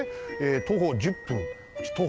徒歩１０分徒歩９分。